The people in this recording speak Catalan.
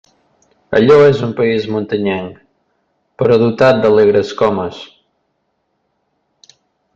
Allò és país muntanyenc, però dotat d'alegres comes.